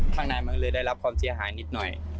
ข้างในมันก็เลยได้รับความเสียหายนิดหน่อย